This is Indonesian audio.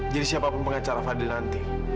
jadi siapa pun pengacara fadil nanti